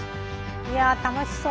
や楽しそう。